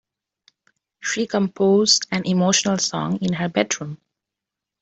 She composed an emotional song in her bedroom.